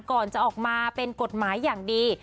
ก่อนจะออกมาเป็นกฎหมายอย่างดี